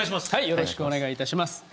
よろしくお願いします。